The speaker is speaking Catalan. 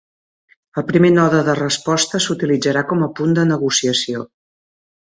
El primer node de resposta s'utilitzarà com a punt de negociació.